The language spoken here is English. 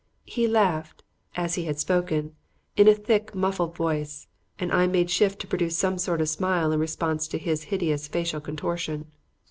He laughed as he had spoken in a thick, muffled voice and I made shift to produce some sort of smile in response to his hideous facial contortion.